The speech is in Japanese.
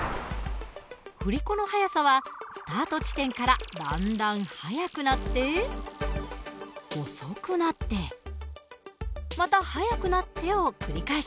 振り子の速さはスタート地点からだんだん速くなって遅くなってまた速くなってを繰り返します。